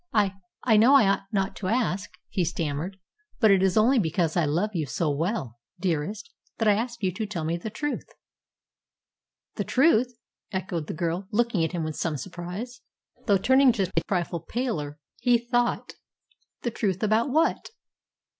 I I know I ought not to ask it," he stammered; "but it is only because I love you so well, dearest, that I ask you to tell me the truth." "The truth!" echoed the girl, looking at him with some surprise, though turning just a trifle paler, he thought. "The truth about what?"